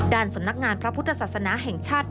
สำนักงานพระพุทธศาสนาแห่งชาติ